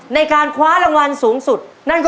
ในการคว้ารางวัลสูงสุด